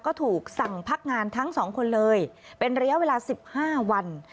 ก็ถูกสั่งพักงานทั้งสองคนเลยเป็นระยะเวลา๑๕วัน